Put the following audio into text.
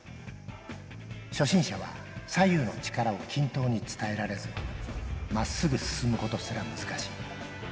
初心者は左右の力を均等に伝えられず、まっすぐ進むことすら難しい。